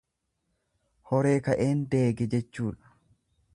Horee ka'een deege jechuudha.